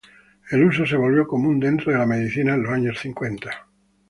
El uso se volvió común dentro de la medicina en los años cincuenta.